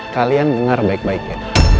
kalian dengar baik baik ya